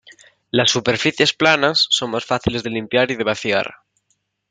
Las superficies planas son más fáciles de limpiar y de vaciar.